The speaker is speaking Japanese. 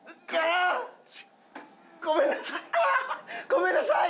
ごめんなさい。